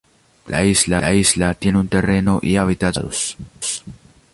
La isla tiene un terreno y hábitats variados.